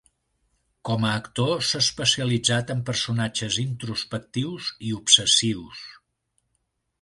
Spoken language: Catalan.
Com a actor, s'ha especialitzat en personatges introspectius i obsessius.